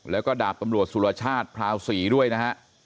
แล้วก็ดาบตำรวจสุรชาติพราวศรีด้วยนะฮะ